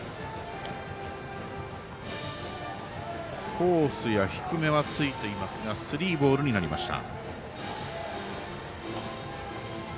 コースや低めはついていますがスリーボールになりました。